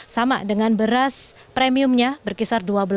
sama dengan beras premiumnya berkisar dua belas